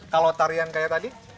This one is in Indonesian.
kalau tarian kayak tadi